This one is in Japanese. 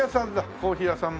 コーヒー屋さんも。